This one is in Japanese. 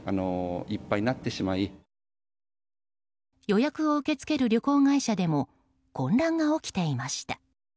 予約を受け付ける旅行会社でも混乱が起きていました。